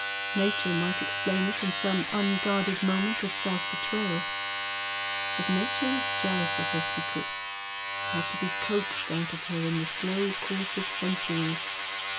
Nature might explain it in some unguarded moment of self betrayal, but Nature is jealous of her secrets, they have to be coaxed out of her in the slow course of centuries.